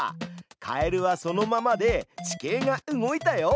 カエルはそのままで地形が動いたよ！